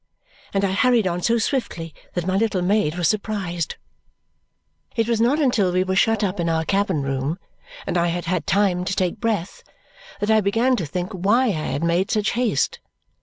And I hurried on so swiftly that my little maid was surprised. It was not until we were shut up in our cabin room and I had had time to take breath that I began to think why I had made such haste.